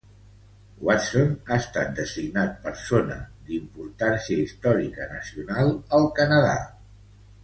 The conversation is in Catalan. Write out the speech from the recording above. Watson ha estat designat Persona d'Importància Històrica Nacional al Canadà.